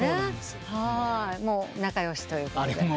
仲良しということで。